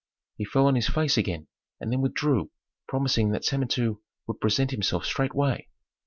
He fell on his face again and then withdrew, promising that Samentu would present himself straightway.